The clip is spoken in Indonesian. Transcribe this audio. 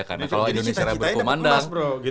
karena kalau indonesia raya berkubandang